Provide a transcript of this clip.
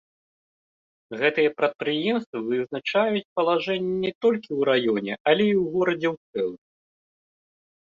Гэтыя прадпрыемствы вызначаюць палажэнне не толькі ў раёне, але і ў горадзе ў цэлым.